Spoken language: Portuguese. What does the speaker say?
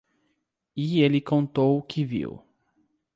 E ele contou o que viu.